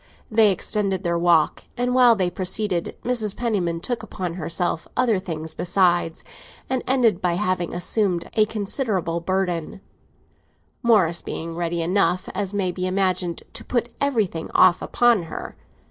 They extended their walk, and, while they proceeded, Mrs. Penniman took upon herself other things besides, and ended by having assumed a considerable burden; Morris being ready enough, as may be imagined, to put everything off upon her.